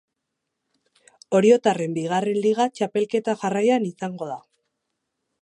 Oriotarren bigarren liga txapelketa jarraian izango da.